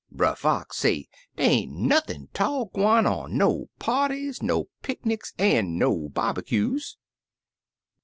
"Brer Fox say dey ain't nothin' 'tall gwine on, no parties, no picnics, an' no bobbycues.